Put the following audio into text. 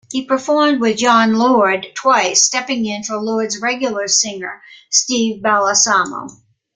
He performed with Jon Lord twice, stepping in for Lord's regular singer Steve Balsamo.